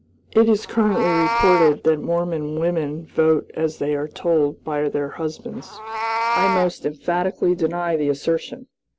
"It is currently reported that Mormon women vote as they are told by their husbands. I most emphatically deny the assertion.